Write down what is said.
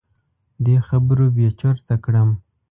دې خبرو بې چرته کړم.